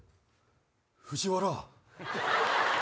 藤原。